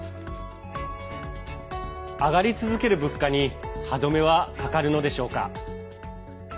上がり続ける物価に歯止めはかかるのでしょうか。